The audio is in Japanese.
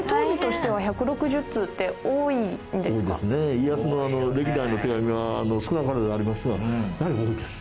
家康の歴代の手紙は少なからずありますがやはり多いです。